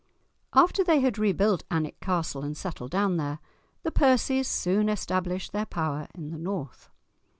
After they had rebuilt Alnwick Castle and settled down there, the Percies soon established their power in the North.